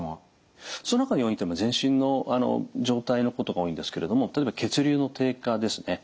そのほかの要因というのは全身の状態のことが多いんですけれども例えば血流の低下ですね。